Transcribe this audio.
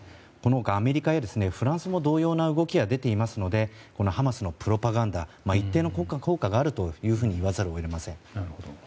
アメリカやフランスでも同様な動きが出ていますのでハマスのプロパガンダ一定の効果があるというふうに言わざるを得ません。